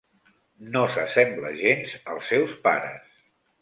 No s'assembla gens als seus pares.